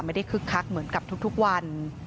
คึกคักเหมือนกับทุกวัน